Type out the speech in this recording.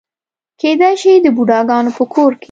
کېدای شي د بوډاګانو په کور کې.